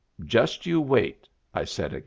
" Just you wait," I said again.